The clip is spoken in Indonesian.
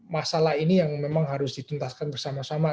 masalah ini yang memang harus dituntaskan bersama sama